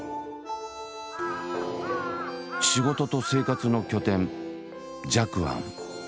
仕事と生活の拠点寂庵。